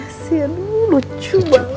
keisha lu lucu banget